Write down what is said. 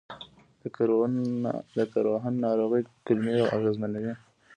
د کروهن ناروغي کولمې اغېزمنوي.